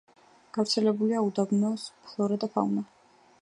გავრცელებულია უდაბნოს ფლორა და ფაუნა.